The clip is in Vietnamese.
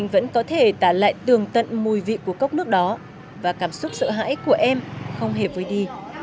vẫn có thể tả lại tường tận mùi vị của cốc nước đó và cảm xúc sợ hãi của em không hề với đi